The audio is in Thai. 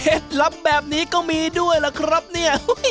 เห็นครับแบบนี้ก็มีด้วยแล้วครับเนี่ย